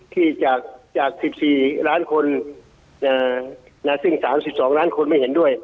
ที่จาก๑๔ล้านคนซึ่ง๓๒ล้านคนไม่เห็นด้วย